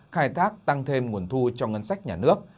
khai thác tăng thêm nguồn thu cho ngân sách nhà nước